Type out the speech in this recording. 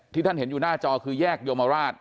ท่านเห็นอยู่หน้าจอคือแยกโยมราช